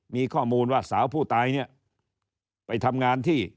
มีข้อมูลว่าสาวผู้ตายเนี่ยไปทำงานที่